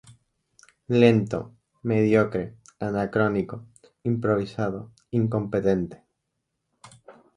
Lento, mediocre, anacrónico, improvisado, incompetente".